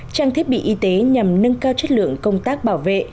trang thiết bị y tế nhằm nâng cao chất lượng công tác bảo vệ